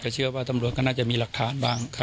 แต่เชื่อว่าตำรวจก็น่าจะมีหลักฐานบ้าง